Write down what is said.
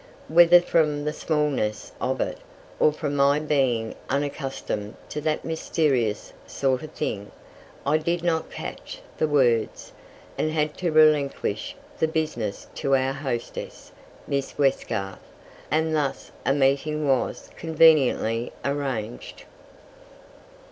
Whether from the smallness of it, or from my being unaccustomed to that mysterious sort of thing, I did not catch the words, and had to relinquish the business to our hostess, Miss Westgarth, and thus a meeting was conveniently arranged.